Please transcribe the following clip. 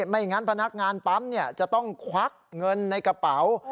ไม่งั้นพนักงานปั๊มจะต้องควักเงินในกระเป๋า